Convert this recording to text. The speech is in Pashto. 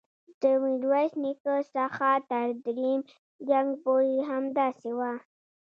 د میرویس نیکه څخه تر دریم جنګ پورې همداسې وه.